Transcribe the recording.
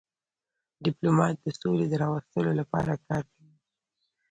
ډيپلومات د سولي د راوستلو لپاره کار کوي.